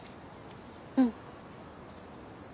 うん。